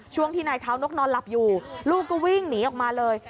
ช่วงที่นายเท้านกนอนหลับอยู่ลูกก็วิ่งหนีออกมาเลย